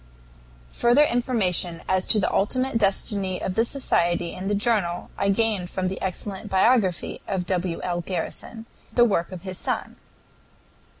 Further information as to the ultimate destiny of the society and the journal I gained from the excellent biography of W. L. Garrison, the work of his son.